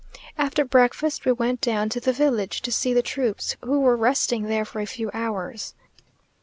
After breakfast we went down to the village to see the troops, who were resting there for a few hours.